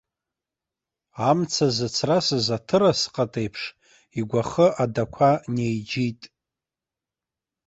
Амца зыцрасыз аҭырас ҟата еиԥш, игәахы адақәа неиџьит.